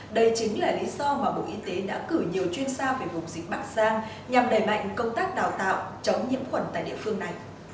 đây chính là lý do mà bộ y tế đã cử nhiều chuyên gia về vùng dịch bắc giang nhằm đẩy mạnh công tác đào tạo chống nhiễm khuẩn tại địa phương này